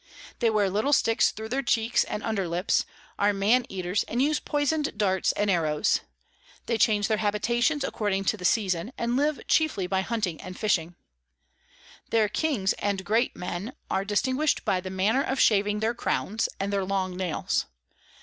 They wear little Sticks thro their Cheeks and Under Lips, are Maneaters, and use poison'd Darts and Arrows. They change their Habitations according to the Season, and live chiefly by Hunting and Fishing. Their Kings and Great Men are distinguish'd by the manner of shaving their Crowns, and their long Nails.